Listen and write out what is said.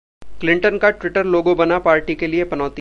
Clinton का Twitter logo बना party के लिए पनौती